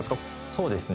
そうですね。